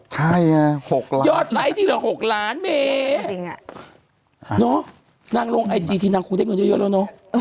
ใช่อ่ะหกล้านยอดไลค์ที่หลักหกล้านเมตรจริงจริงอ่ะเนาะนั่งลงไอจีที่นั่งคู่เทคโน้นเยอะเยอะแล้วเนาะ